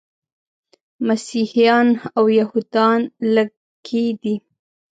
مسیحیان او یهودان لږکي دي.